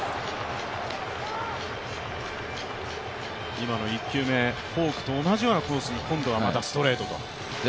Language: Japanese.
今の１球目、フォークと同じようなコースで今度はストレートと。